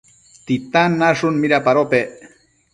¿Titan nashun midapadopec?